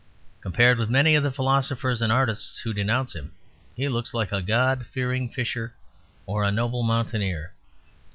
Compared with many of the philosophers and artists who denounce him; he looks like a God fearing fisher or a noble mountaineer.